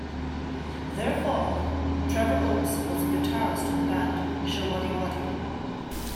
Their father Trevor Oakes was a guitarist in the band Showaddywaddy.